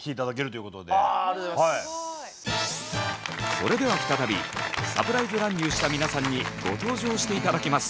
それでは再びサプライズ乱入した皆さんにご登場して頂きます。